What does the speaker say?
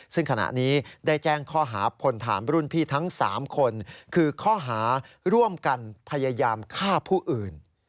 ซึ่งขณะนี้ได้แจ้งข้อหาพลฐานรุ่นพี่ทั้ง๓คนคือข้อหาร่วมกันพยายามฆ่าผู้อื่น